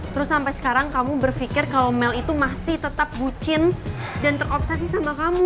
terus sampai sekarang kamu berpikir kalau mel itu masih tetap bucin dan terobsesi sama kamu